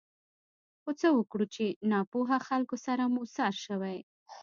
خو څه وکړو چې له ناپوهه خلکو سره مو سر شوی.